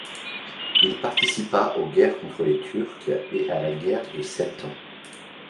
Il participa aux guerres contre les Turcs et à la guerre de Sept Ans.